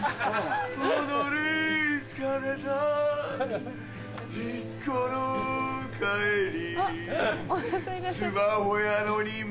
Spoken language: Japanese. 踊り疲れたディスコの帰り